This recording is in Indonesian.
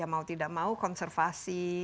mau tidak mau konservasi